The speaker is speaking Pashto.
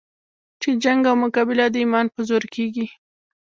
چې جنګ او مقابله د ایمان په زور کېږي.